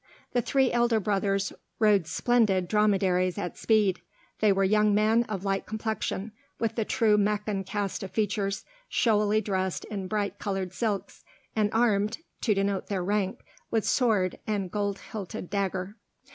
The three elder brothers rode splendid dromedaries at speed; they were young men of light complexion, with the true Meccan cast of features, showily dressed in bright colored silks, and armed, to denote their rank, with sword and gold hilted dagger.